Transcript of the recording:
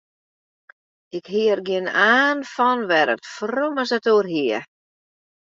Ik hie der gjin aan fan wêr't it frommes it oer hie.